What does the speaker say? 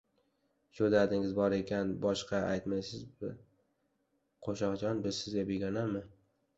— Shu dardingiz bor ekan, boshda aytmay- sizmi, Qo‘shoqjon! Biz sizga begonami?